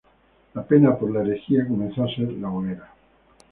La pena por la herejía comenzó a ser la hoguera.